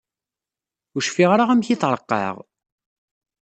Ur cfiɣ ara amek i t-ṛeqqeɛeɣ.